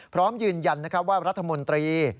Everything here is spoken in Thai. พร้อมยืนยันว่ารัฐมนตรี